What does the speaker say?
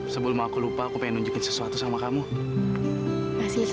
sampai jumpa di video selanjutnya